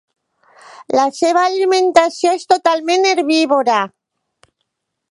La seva alimentació és totalment herbívora.